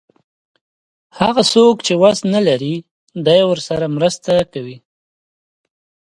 هغه څوک چې وس نه لري دی ورسره مرسته کوي.